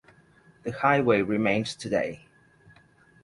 The highway remains today.